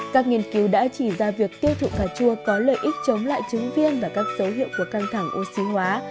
các nghiên cứu đã chỉ ra việc tiêu thụ cà chua có lợi ích chống lại chứng viên và các dấu hiệu của căng thẳng oxy hóa